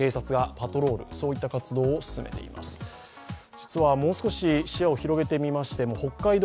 実はもう少し視野を広げてみましても、北海道